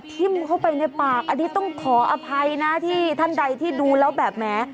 ทิ้มเข้าไปในปากอันนี้ต้องขออภัยนะที่ท่านใดที่ดูแล้วแบบแหม